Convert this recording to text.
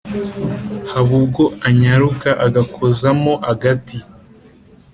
Haba ubwo anyaruka agakozamo agati